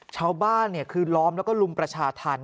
ชาวบ้านคือล้อมแล้วก็ลุมประชาธรรม